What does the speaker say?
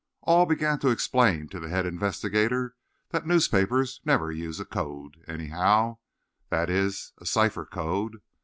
All began to explain to the head investigator that newspapers never use a code, anyhow—that is, a cipher code.